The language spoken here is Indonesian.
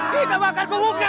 kita bakar gue buka